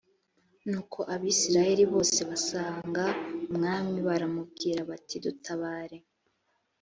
nuko abisirayeli bose basanga umwami baramubwira bati dutabare